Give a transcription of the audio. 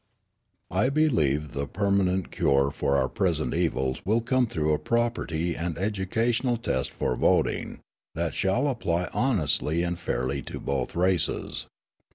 I believe the permanent cure for our present evils will come through a property and educational test for voting that shall apply honestly and fairly to both races.